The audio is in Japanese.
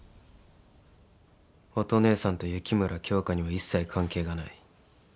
乙姉さんと雪村京花には一切関係がない。